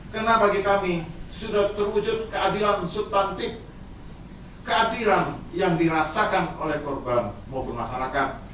karena bagi kami sudah terwujud keadilan sustantif keadilan yang dirasakan oleh korban maupun masyarakat